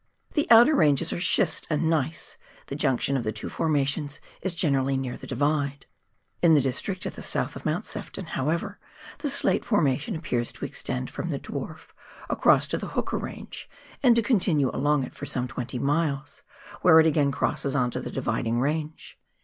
The outer ranges are schist and gneiss, the junction of the two formations is generally near the Divide. In the district at the south of Mount Sefton, however, the slate formation appears to extend from the Dwarf across to the Hooker Range, and to continue along it for some 20 miles, where it again crosses on to the Dividing Range.